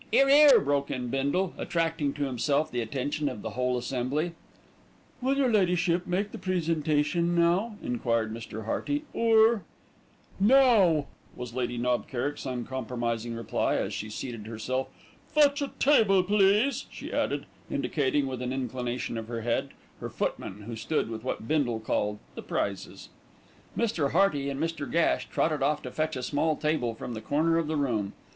"'Ere, 'ere!" broke in Bindle, attracting to himself the attention of the whole assembly. "Will your Ladyship make the presentation now?" enquired Mr. Hearty, "or " "Now!" was Lady Knob Kerrick's uncompromising reply, as she seated herself. "Fetch a table, please," she added, indicating, with an inclination of her head, her footman, who stood with what Bindle called "the prizes." Mr. Hearty and Mr. Gash trotted off to fetch a small table from the corner of the room.